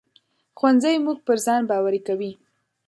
ښوونځی موږ پر ځان باوري کوي